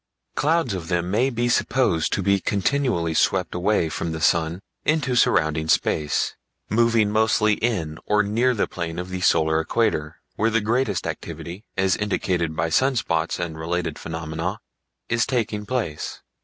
Clouds of them may be supposed to be continually swept away from the sun into surrounding space, moving mostly in or near the plane of the solar equator, where the greatest activity, as indicated by sunspots and related phenomena, is taking place.